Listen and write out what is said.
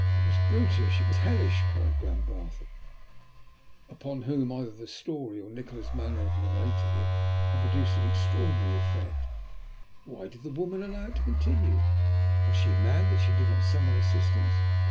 "It was brutish, it was hellish," cried Glenbarth, upon whom either the story, or Nikola's manner of narrating it, had produced an extraordinary effect. "Why did the woman allow it to continue? Was she mad that she did not summon assistance?